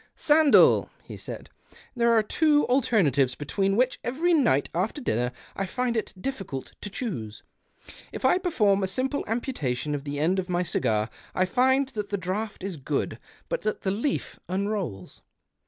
" Sandell," he said, " there are tw^o alter natives between which every night after dinner I find it difficult to choose. If I perform a simple amputation of the end of my cigar I find that the draught is good but that the leaf unrolls.